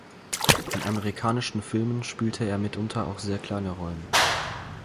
In amerikanischen Filmen spielte er mitunter auch sehr kleine Rollen.